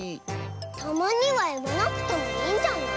たまにはいわなくてもいいんじゃない？